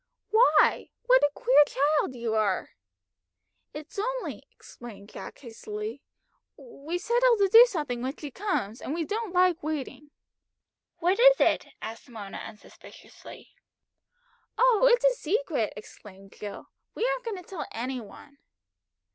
"Why? What a queer child you are." "It's only," explained Jack hastily, "we've settled to do something when she comes, and we don't like waiting." "What is it?" asked Mona unsuspiciously. "Oh, it's a secret," exclaimed Jill; "we aren't going to tell any one."